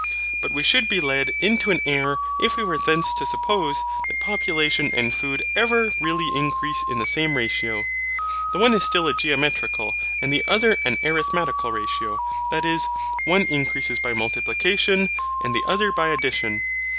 But we should be led into an error if we were thence to suppose that population and food ever really increase in the same ratio. The one is still a geometrical and the other an arithmetical ratio, that is, one increases by multiplication, and the other by addition.